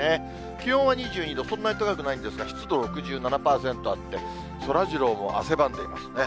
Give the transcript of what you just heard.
気温は２２度、そんなに高くないんですが、湿度６７％あって、そらジローも汗ばんでいますね。